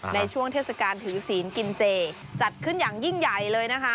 เทศกาลถือศีลกินเจจัดขึ้นอย่างยิ่งใหญ่เลยนะคะ